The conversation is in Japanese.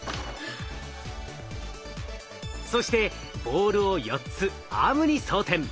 そしてボールを４つアームに装てん。